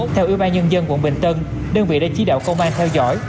theo ủy ban nhân dân quận bình tân đơn vị đã chỉ đạo công an theo dõi